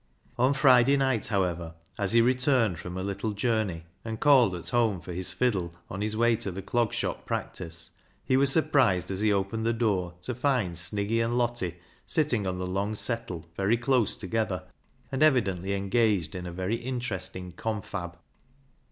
On Friday night, however, as he returned from a little journey, and called at home for his fiddle on his way to the Clog Shop practice, he was surprised as he opened the door to find Sniggy and Lottie sitting on the long settle very close together, and evidently engaged in a very 124 BECKSIDE LIGHTS interesting confab.